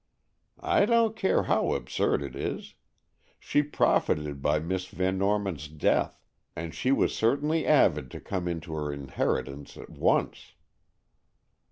"I don't care how absurd it is; she profited by Miss Van Norman's death, and she was certainly avid to come into her inheritance at once."